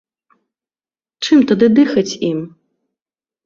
Чым тады дыхаць ім?